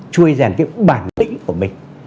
chuyên dành bản lĩnh của mình